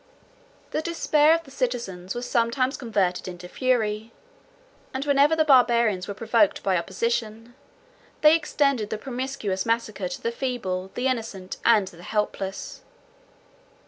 The despair of the citizens was sometimes converted into fury: and whenever the Barbarians were provoked by opposition, they extended the promiscuous massacre to the feeble, the innocent, and the helpless.